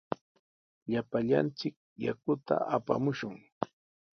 Llapallanchik yakuta apamushun.